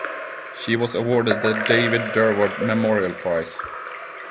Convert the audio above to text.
She was awarded the David Durward Memorial Prize.